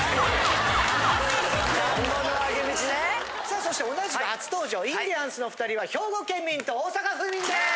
さあそして同じく初登場インディアンスの２人は兵庫県民と大阪府民です！